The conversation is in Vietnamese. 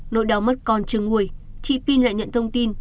nỗi đau mất con chưa ngùi chị pin lại nhận thông tin